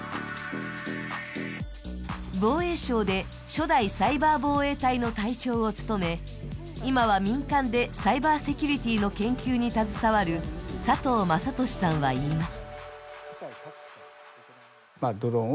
防衛省で初代サイバー防衛隊の隊長を務め、今は民間でサイバーセキュリティーの研究に携わる佐藤雅俊さんは言います。